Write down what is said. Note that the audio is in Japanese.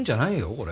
これ。